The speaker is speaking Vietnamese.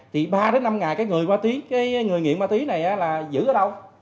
thì ba đến năm ngày cái người ma tí cái người nghiện ma túy này là giữ ở đâu